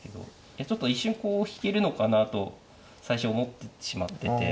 いやちょっと一瞬こう引けるのかなと最初思ってしまってて。